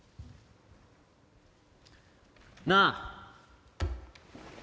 なあ。